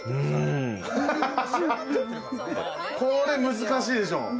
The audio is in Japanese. これ難しいでしょ。